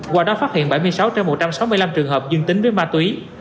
qua đó phát hiện bảy mươi sáu trên một trăm sáu mươi năm trường hợp dương tính với ma túy